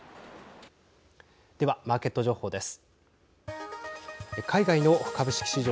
ではマーケット情報です。